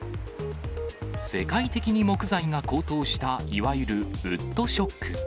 世界的に木材が高騰したいわゆるウッドショック。